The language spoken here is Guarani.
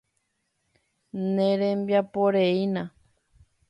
Nerembiaporeína.